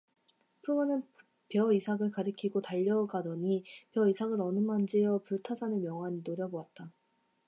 풍헌은 벼이삭을 가리키고 달려가더니 벼이삭을 어루만지며 불타산을 멍하니 노려보았다.